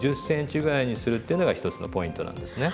１０ｃｍぐらいにするっていうのが一つのポイントなんですね。